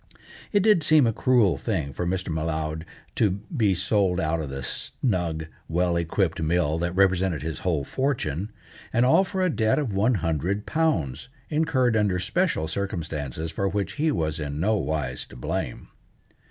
It did seem a cruel thing for Mr. M'Leod to be sold out of the snug, well equipped mill that represented his whole fortune; and all for a debt of one hundred pounds, incurred under special circumstances for which he was in no wise to blame.